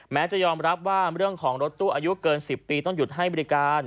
จะยอมรับว่าเรื่องของรถตู้อายุเกิน๑๐ปีต้องหยุดให้บริการ